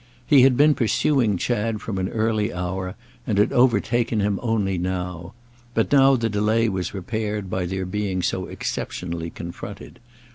He had been pursuing Chad from an early hour and had overtaken him only now; but now the delay was repaired by their being so exceptionally confronted.